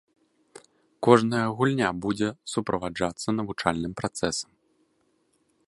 Кожная гульня будзе суправаджацца навучальным працэсам.